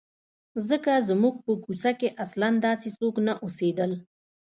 ځکه زموږ په کوڅه کې اصلاً داسې څوک نه اوسېدل.